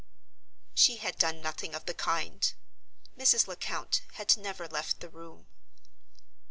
She had done nothing of the kind. Mrs. Lecount had never left the room.